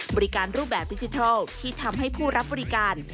บริการรูปแบบดิจิทัลที่ทำให้ผู้รับบริการ